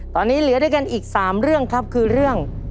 ตอนนี้เหลือด้วยกันอีก๓เรื่องครับคือเรื่อง